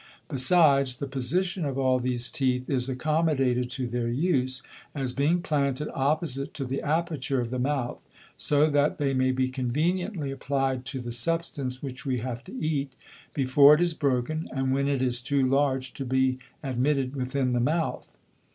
Besides, the Position of all these Teeth is accommodated to their use, as being planted opposite to the Aperture of the Mouth; so that they may be conveniently apply'd to the Substance which we have to eat, before it is broken, and when it is too large to be admitted within the Mouth.